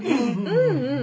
うんうん。